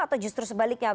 atau justru sebaliknya